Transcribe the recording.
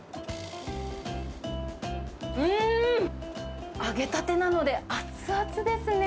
うーん、揚げたてなので熱々ですね。